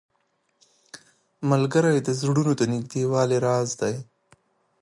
ملګری د زړونو د نږدېوالي راز دی